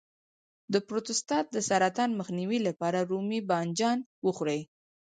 د پروستات د سرطان مخنیوي لپاره رومي بانجان وخورئ